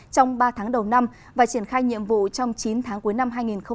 trong ba tháng đầu năm và triển khai nhiệm vụ trong chín tháng cuối năm hai nghìn hai mươi